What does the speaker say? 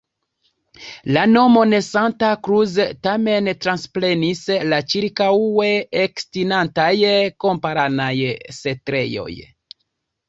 La nomon "Santa Cruz" tamen transprenis la ĉirkaŭe ekestintaj kamparanaj setlejoj.